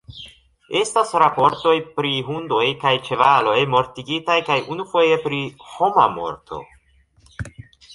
Estas raportoj pri hundoj kaj ĉevaloj mortigitaj kaj unufoje pri homa morto.